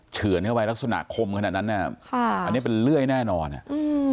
เฉือนเข้าไปลักษณะคมขนาดนั้นน่ะค่ะอันนี้เป็นเลื่อยแน่นอนอ่ะอืม